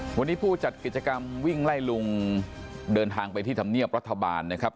วันนี้ผู้จัดกิจกรรมวิ่งไล่ลุงเดินทางไปที่ธรรมเนียบรัฐบาลนะครับ